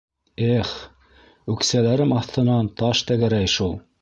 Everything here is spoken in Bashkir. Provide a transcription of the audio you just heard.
Э-эх, үксәләрем аҫтынан таш тәгәрәй шул.